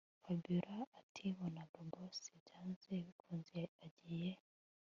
Fabiora atinabonaga boss byanze bikunze agiye